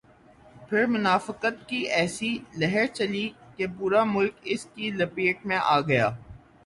پھر منافقت کی ایسی لہر چلی کہ پورا ملک اس کی لپیٹ میں آ گیا۔